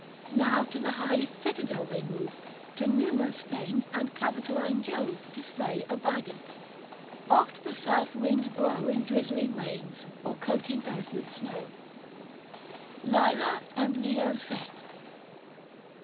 Now to the highest citadel they move, To Numa's fane and Capitoline Jove To slay a bident ; oft the south winds blow In drizzling rains, or coating earth with snow. IV. NON. FEB, LYEA AND LEO SET.